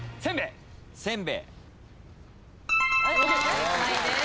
正解です。